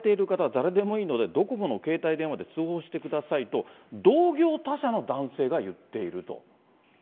誰でもいいので、ドコモの携帯電話で通報してくださいと、同業他社の男性が言っていると。